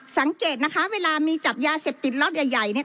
สังเกตนะคะเวลามีจับยาเสพติดล็อตใหญ่เนี่ย